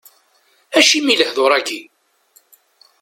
Acimi lehdur-agi?